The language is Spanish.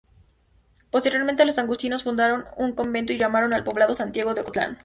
Posteriormente los agustinos fundaron un convento y llamaron al poblado Santiago de Ocotlán.